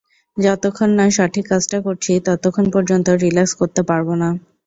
যতক্ষণ না সঠিক কাজটা করছি ততক্ষণ পযর্ন্ত রিলাক্স করতে পারব না।